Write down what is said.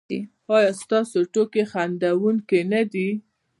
ایا ستاسو ټوکې خندونکې نه دي؟